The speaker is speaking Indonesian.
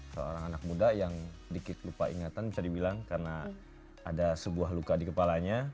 seorang anak muda yang dikit lupa ingatan bisa dibilang karena ada sebuah luka di kepalanya